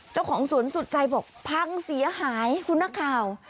เจ้าของสวนสุดใจบอกพังเสียหายคุณนักข่าว